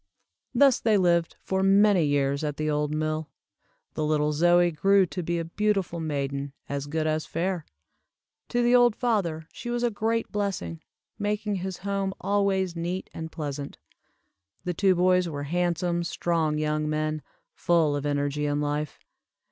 Thus they lived for many years at the old mill. The little Zoie grew to be a beautiful maiden, as good as fair. To the old father she was a great blessing, making his home always neat and pleasant. The two boys were handsome, strong young men, full of energy and life.